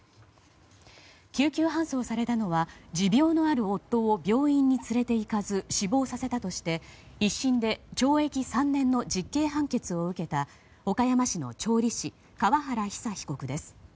救急搬送されたのは持病のある夫を病院に連れていかず死亡させたとして１審で懲役３年の実刑判決を受けた岡山市の調理師河原妃佐被告です。